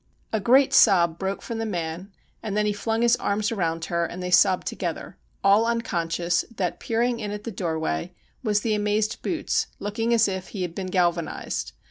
A great sob broke from the man, and then he flung his arms around her, and they sobbed together, all unconscious that, peering in at the doorway, was the amazed boots, looking as if he ' had been galvanised.'